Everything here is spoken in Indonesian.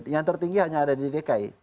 yang tertinggi hanya ada di dki